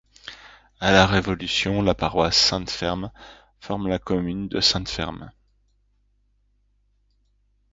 À la Révolution, la paroisse Saint-Ferme forme la commune de Saint-Ferme.